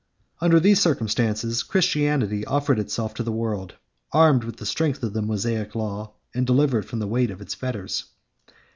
] Under these circumstances, Christianity offered itself to the world, armed with the strength of the Mosaic law, and delivered from the weight of its fetters.